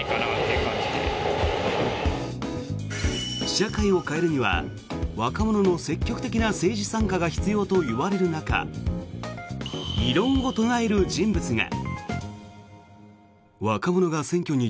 社会を変えるには若者の積極的な政治参加が必要といわれる中異論を唱える人物が。